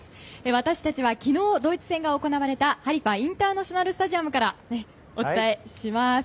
私たちは昨日ドイツ戦が行われたハリファインターナショナル・スタジアムからお伝えします。